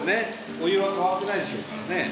お湯は変わってないでしょうからね。